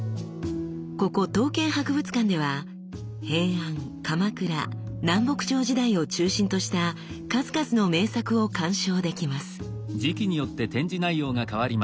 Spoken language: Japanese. ここ刀剣博物館では平安鎌倉南北朝時代を中心とした数々の名作を鑑賞できます。